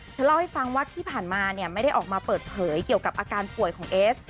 เล่าให้ฟังว่าที่ผ่านมาเนี่ยไม่ได้ออกมาเปิดเผยเกี่ยวกับอาการป่วยของเอส